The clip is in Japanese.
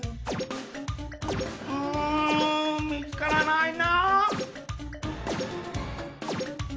うんみつからないな。